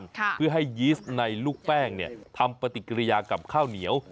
เพื่อให้ยีสในลูกแป้งเนี่ยทำปฏิกิริยากับข้าวเหนียว